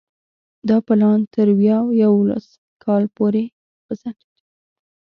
دا پلان تر ویا یوولس کال پورې وځنډېد.